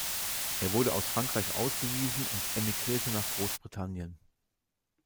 Er wurde aus Frankreich ausgewiesen und emigrierte nach Großbritannien.